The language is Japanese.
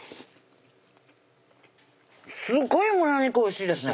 すごい胸肉おいしいですね